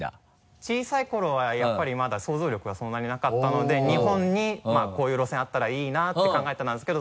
小さい頃はやっぱりまだ想像力がそんなになかったので日本にこういう路線あったらいいなって考えてたんですけど。